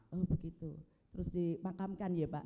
oh begitu terus dimakamkan ya pak